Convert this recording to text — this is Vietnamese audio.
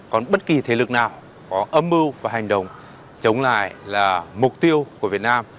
còn bất kỳ thế lực nào có âm mưu và hành động chống lại là mục tiêu của việt nam